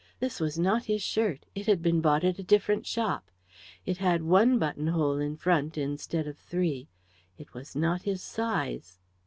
This was not his shirt it had been bought at a different shop; it had one buttonhole in front instead of three; it was not his size.